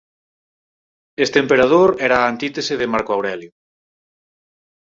Este emperador era a antítese de Marco Aurelio.